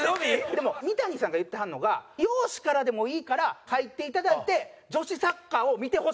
でも三谷さんが言ってはるのが「容姿からでもいいから入っていただいて女子サッカーを見てほしい」って言う方。